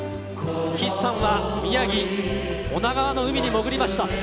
岸さんは、宮城・女川の海に潜りました。